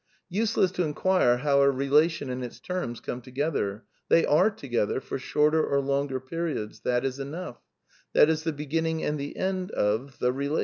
Useless to enquire how a relation and its terms come together. They are together, for shorter or longer periods ; that is enough : that is the beginning and the end of — the relation.